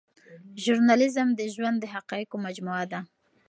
ژورنالیزم د ژوند د حقایقو مجموعه ده.